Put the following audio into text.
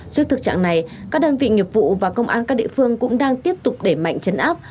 trước thực trạng này các đơn vị nghiệp vụ và công an các địa phương cũng đang tiếp tục để mạnh chấn áp